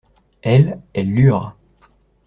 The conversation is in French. Elles, elles lurent.